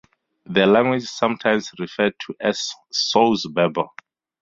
Their language is sometimes referred to as "Sous-Berber".